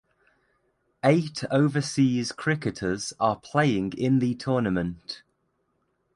Eight overseas cricketers are playing in the tournament.